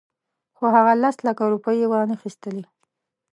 خو هغه لس لکه روپۍ یې وانخیستلې.